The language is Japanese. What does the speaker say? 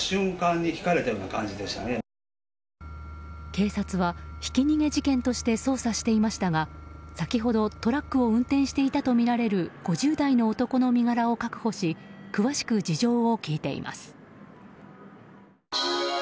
警察はひき逃げ事件として捜査していましたが先ほど、トラックを運転していたとみられる５０代の男の身柄を確保し詳しく事情を聴いています。